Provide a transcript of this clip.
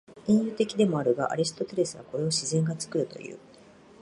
隠喩的でもあるが、アリストテレスはこれを「自然が作る」という。